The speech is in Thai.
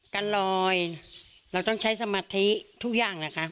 การลอยเราต้องใช้สมาธิทุกอย่างนะคะ